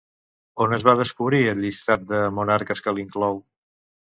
On es va descobrir el llistat de monarques que l'inclou?